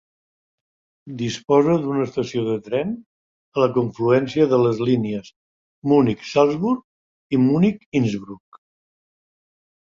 Disposa d'una estació de tren a la confluència de les línies Munic–Salzburg i Munic–Innsbruck.